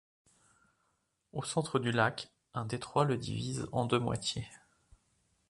Au centre du lac, un détroit le divise en deux moitiés.